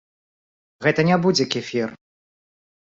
Гэта не будзе кефір.